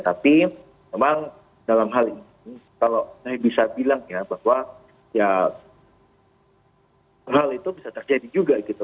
tapi memang dalam hal ini kalau saya bisa bilang ya bahwa ya hal itu bisa terjadi juga gitu